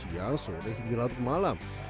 mulai dari pagi siang sore hingga lalu ke malam